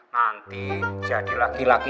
nanti jadi laki laki